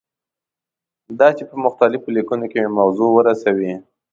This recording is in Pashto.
دا چې په مختلفو لیکنو کې موضوع ورسوي.